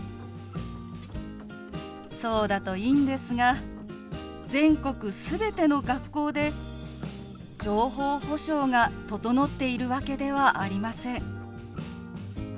そうだといいんですが全国全ての学校で情報保障が整っているわけではありません。